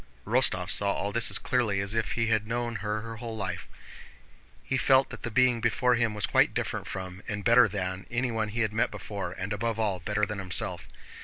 Rostóv saw all this as clearly as if he had known her whole life. He felt that the being before him was quite different from, and better than, anyone he had met before, and above all better than himself.